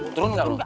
turun gak lu